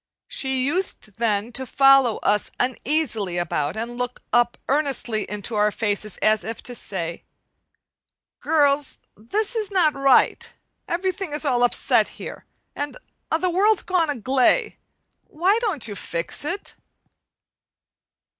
She used then to follow us uneasily about and look earnestly up into our faces, as if to say: "Girls, this is not right. Everything is all upset here and 'a' the world's gang agley.' Why don't you fix it?"